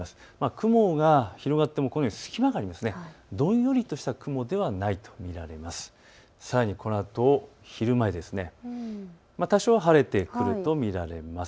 雲が広がってもどんよりとした雲ではないと見られます。